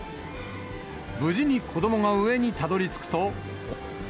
無事に子どもが上にたどりつくと。